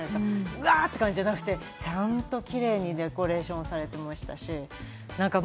うわということじゃなくて、ちゃんとキレイにデコレーションされてましたし。